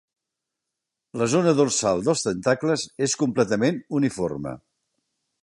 La zona dorsal dels tentacles és completament uniforme.